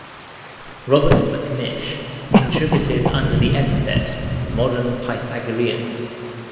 Robert Macnish contributed under the epithet, Modern Pythagorean.